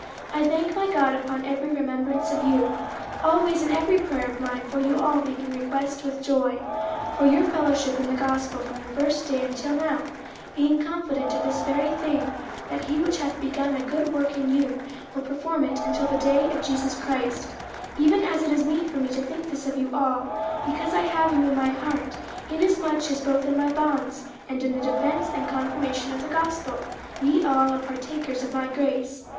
50:001:003 I thank my God upon every remembrance of you, 50:001:004 Always in every prayer of mine for you all making request with joy, 50:001:005 For your fellowship in the gospel from the first day until now; 50:001:006 Being confident of this very thing, that he which hath begun a good work in you will perform it until the day of Jesus Christ: 50:001:007 Even as it is meet for me to think this of you all, because I have you in my heart; inasmuch as both in my bonds, and in the defence and confirmation of the gospel, ye all are partakers of my grace.